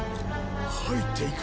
入っていく。